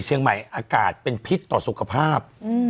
หรือด้านนี้อากาศเป็นพิษต่อสุขภาพ